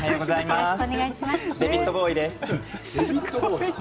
デビッド・ボウイです。